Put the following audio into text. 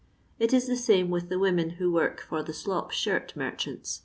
It is th^ same with the women who work fiw the slop shirt merchants, &C.